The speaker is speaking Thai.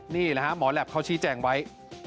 นี่แหละฮะหมอแหลปเขาชี้แจงไว้